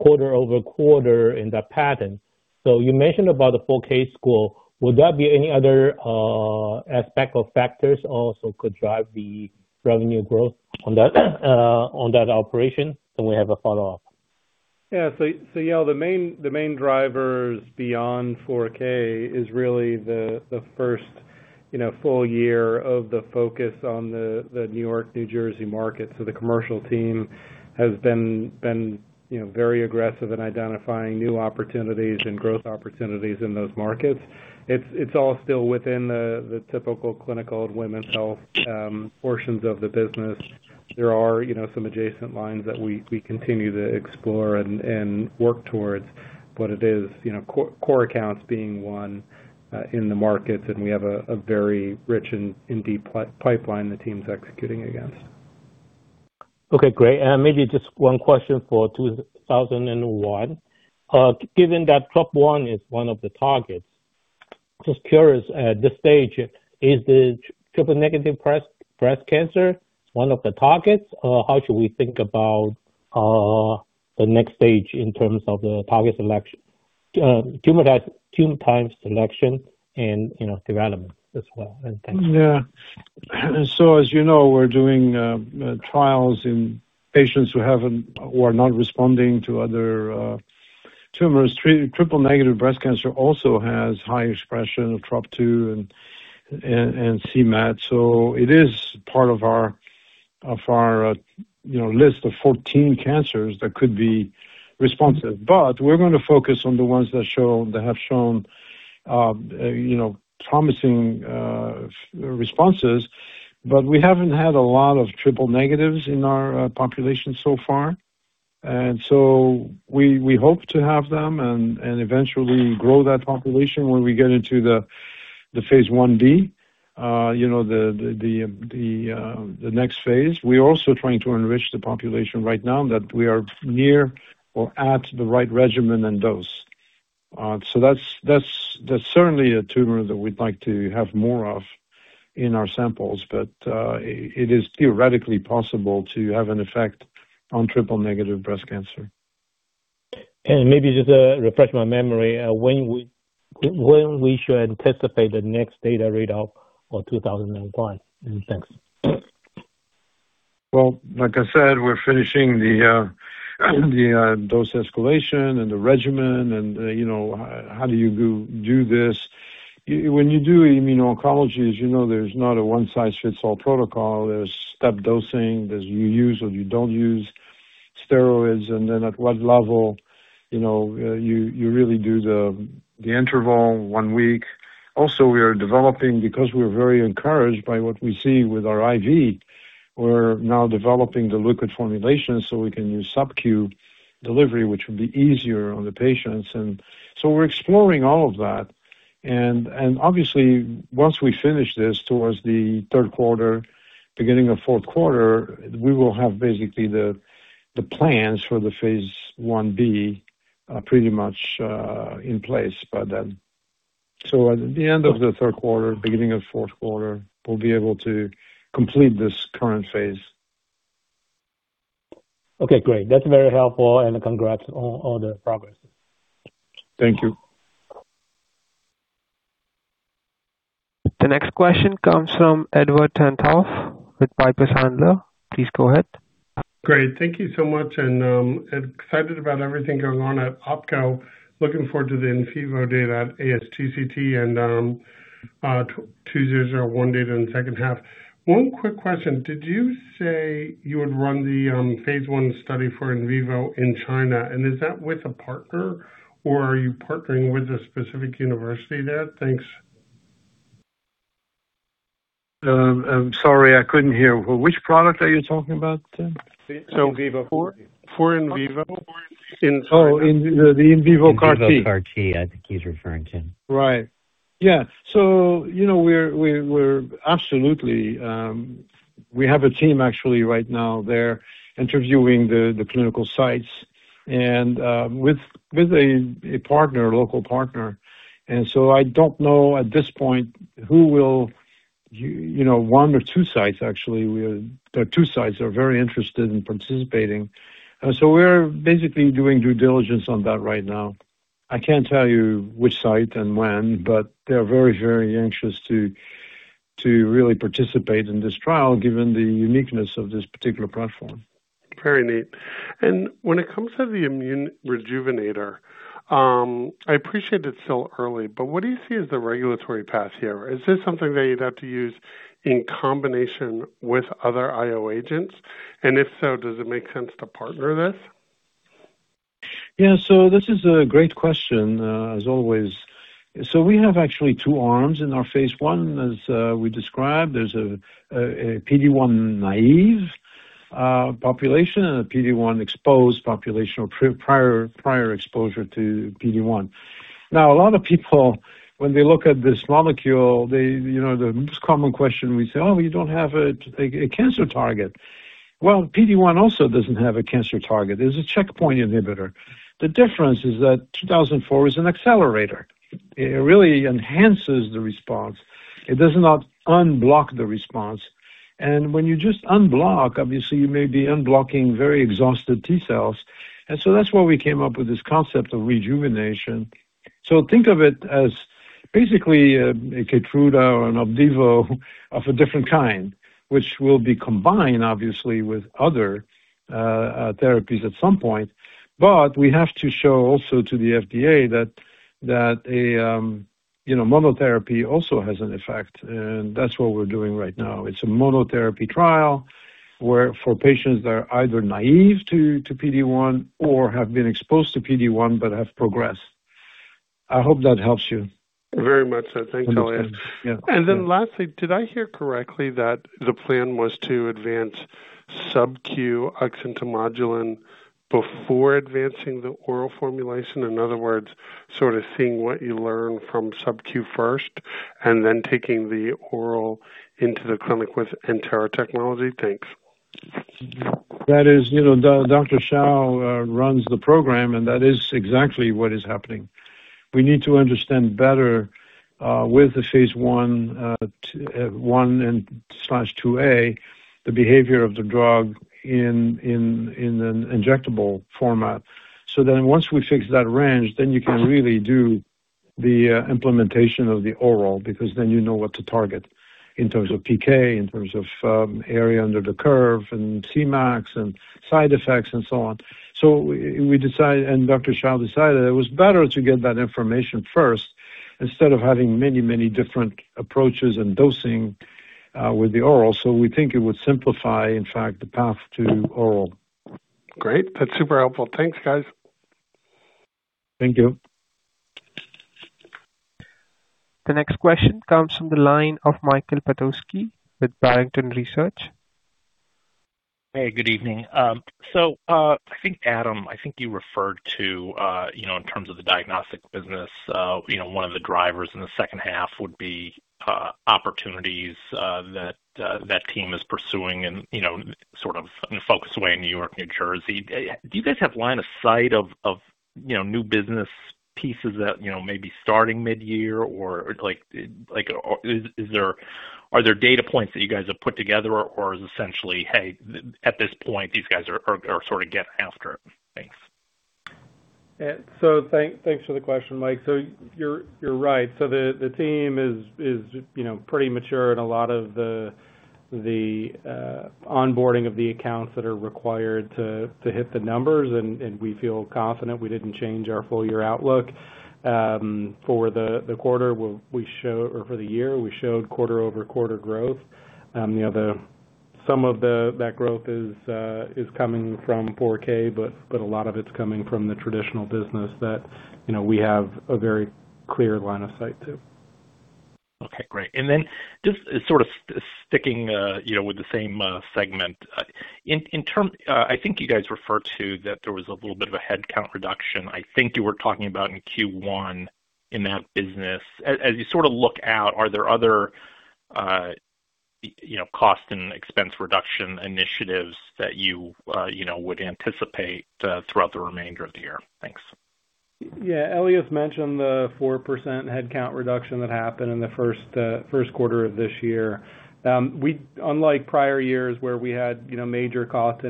quarter-over-quarter in that pattern. You mentioned about the 4Kscore. Would there be any other aspect or factors also could drive the revenue growth on that operation? We have a follow-up. Yale, the main drivers beyond 4K is really the first, you know, full year of the focus on the New York, New Jersey market. The commercial team has been, you know, very aggressive in identifying new opportunities and growth opportunities in those markets. It's all still within the typical clinical and women's health portions of the business. There are, you know, some adjacent lines that we continue to explore and work towards. It is, you know, core accounts being one in the markets, and we have a very rich and deep pipeline the team's executing against. Okay, great. Maybe just one question for MDX2001. Given that Trop-2 is one of the targets, just curious at this stage, is the triple negative breast cancer one of the targets? How should we think about the next stage in terms of the target selection, tumor type selection and, you know, development as well? Thanks. Yeah, as you know, we're doing trials in patients who haven't or are not responding to other tumors. Triple negative breast cancer also has high expression of Trop-2 and c-Met, it is part of our, you know, list of 14 cancers that could be responsive. We're gonna focus on the ones that have shown, you know, promising responses. We haven't had a lot of triple negatives in our population so far. We hope to have them and eventually grow that population when we get into the phase I-B, you know, the next phase. We're also trying to enrich the population right now that we are near or at the right regimen and dose. That's certainly a tumor that we'd like to have more of in our samples. It is theoretically possible to have an effect on triple-negative breast cancer. Maybe just, refresh my memory, when we should anticipate the next data readout for 2005? Thanks. Well, like I said, we're finishing the dose escalation and the regimen and, you know, how do you do this. When you do immuno-oncologies, you know there's not a one-size-fits-all protocol. There's step dosing. There's you use or you don't use steroids, and then at what level, you know, you really do the interval, one week. Also, we are developing because we're very encouraged by what we see with our IV. We're now developing the liquid formulation, so we can use sub-Q delivery, which would be easier on the patients. We're exploring all of that. Obviously, once we finish this towards the third quarter, beginning of fourth quarter, we will have basically the plans for the phase I, pretty much in place by then. At the end of the third quarter, beginning of fourth quarter, we'll be able to complete this current phase. Okay, great. That's very helpful. Congrats on the progress. Thank you. The next question comes from Edward Tenthoff with Piper Sandler. Please go ahead. Great. Thank you so much and excited about everything going on at OPKO. Looking forward to the in vivo data at ASGCT and 2001 data in the second half. One quick question. Did you say you would run the phase I study for in vivo in China? Is that with a partner or are you partnering with a specific university there? Thanks. I'm sorry, I couldn't hear. Which product are you talking about? For in vivo. For in vivo? In China. Oh, the in vivo CAR-T. In vivo CAR-T, I think he's referring to. Right. Yeah. You know, we're absolutely, we have a team actually right now, they're interviewing the clinical sites and with a partner, a local partner. I don't know at this point who will, you know, one or two sites, actually. There are two sites that are very interested in participating. We're basically doing due diligence on that right now. I can't tell you which site and when, but they're very anxious to really participate in this trial given the uniqueness of this particular platform. Very neat. When it comes to the immune rejuvenator, I appreciate it's still early, what do you see as the regulatory path here? Is this something that you'd have to use in combination with other IO agents? If so, does it make sense to partner this? Yeah. This is a great question, as always. We have actually two arms in our phase I. As we described, there's a PD-1 naive population and a PD-1 exposed population or prior exposure to PD-1. A lot of people when they look at this molecule, they, you know, the most common question we say, "Oh, you don't have a cancer target." PD-1 also doesn't have a cancer target. It's a checkpoint inhibitor. The difference is that MDX2004 is an accelerator. It really enhances the response. It does not unblock the response. When you just unblock, obviously you may be unblocking very exhausted T-cells. That's why we came up with this concept of rejuvenation. Think of it as basically a Keytruda or an Opdivo of a different kind, which will be combined obviously with other therapies at some point. We have to show also to the FDA that a, you know, monotherapy also has an effect, and that's what we're doing right now. It's a monotherapy trial where for patients that are either naive to PD-1 or have been exposed to PD-1 but have progressed. I hope that helps you. Very much so. Thanks, Elias. Yeah. Lastly, did I hear correctly that the plan was to advance subQ oxyntomodulin before advancing the oral formulation? In other words, sort of seeing what you learn from subQ first and then taking the oral into the clinic with Entera technology? Thanks. That is, you know, Dr. Shah runs the program, and that is exactly what is happening. We need to understand better with the phase I and slash II-A, the behavior of the drug in an injectable format. Once we fix that range, then you can really do the implementation of the oral because then you know what to target in terms of PK, in terms of area under the curve and Cmax and side effects and so on. We decided, and Dr. Shah decided it was better to get that information first instead of having many different approaches and dosing with the oral. We think it would simplify, in fact, the path to oral. Great. That's super helpful. Thanks, guys. Thank you. The next question comes from the line of Michael Petusky with Barrington Research. Hey, good evening. I think, Adam, I think you referred to, you know, in terms of the diagnostic business, you know, one of the drivers in the second half would be opportunities that that team is pursuing and, you know, sort of in a focused way in New York, New Jersey. Do you guys have line of sight of, you know, new business pieces that, you know, may be starting mid-year or is there, are there data points that you guys have put together or is essentially, hey, at this point, these guys are sort of get after it? Thanks. Thanks for the question, Mike. You're right. The team is, you know, pretty mature in a lot of the onboarding of the accounts that are required to hit the numbers and we feel confident we didn't change our full-year outlook. For the quarter or for the year, we showed quarter-over-quarter growth. You know, some of the that growth is coming from 4Kscore, but a lot of it's coming from the traditional business that, you know, we have a very clear line of sight to. Okay, great. Just sort of sticking, you know, with the same segment. In terms, I think you guys referred to that there was a little bit of a headcount reduction. I think you were talking about in Q1 in that business. As you sort of look out, are there other, you know, cost and expense reduction initiatives that you know, would anticipate throughout the remainder of the year? Thanks. Yeah. Elias mentioned the 4% headcount reduction that happened in the first quarter of this year. We, unlike prior years where we had, you know, major cost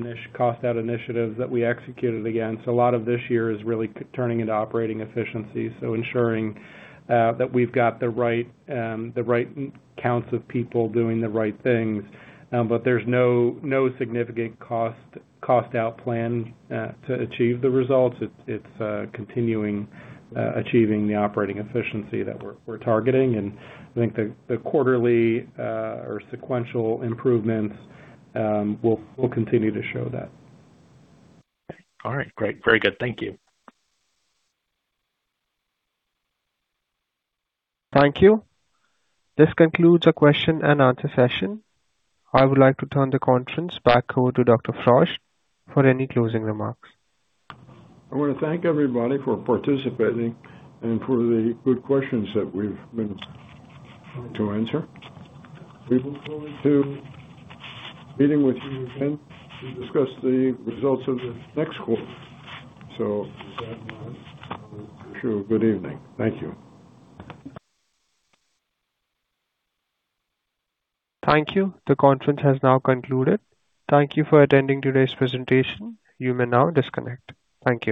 out initiatives that we executed again. A lot of this year is really turning into operating efficiency, so ensuring that we've got the right counts of people doing the right things. There's no significant cost out plan to achieve the results. It's continuing achieving the operating efficiency that we're targeting. I think the quarterly or sequential improvements will continue to show that. All right. Great. Very good. Thank you. Thank you. This concludes our question and answer session. I would like to turn the conference back over to Dr. Frost for any closing remarks. I wanna thank everybody for participating and for the good questions that we've been able to answer. We look forward to meeting with you again to discuss the results of the next call. With that note, I wish you good evening. Thank you. Thank you. The conference has now concluded. Thank you for attending today's presentation. You may now disconnect. Thank you.